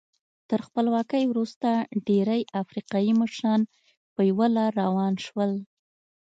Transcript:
تر خپلواکۍ وروسته ډېری افریقایي مشران په یوه لار روان شول.